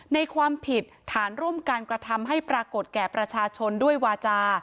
ในความผิดฐานร่วมการกระทำให้ปรากฏแก่ประชาชนด้วยวาจา